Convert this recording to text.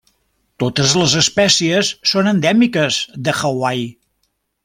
Totes les espècies són endèmiques de Hawaii.